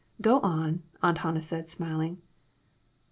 Go on," Aunt Hannah said, smiling.